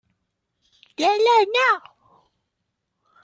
真熱鬧